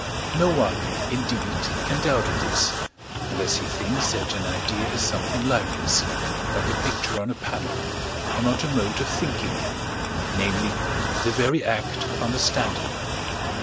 No one, indeed, can doubt of this, unless he thinks that an idea is something lifeless, like a picture on a panel, and not a mode of thinking namely, the very act of understanding.